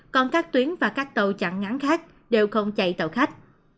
còn các tuyến và các tàu chặn ngắn khác đều không chạy tàu khách